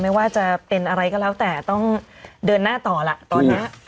ไม่ว่าจะเป็นอะไรก็แล้วแต่ต้องเดินหน้าต่อล่ะตอนนี้